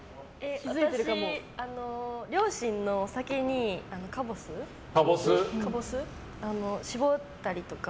私、両親のお酒にカボスを搾ったりとか。